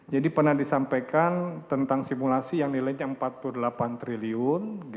jadi pernah disampaikan tentang simulasi yang nilainya empat puluh delapan triliun